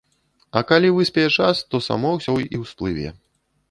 А калі выспее час, то само ўсё і ўсплыве.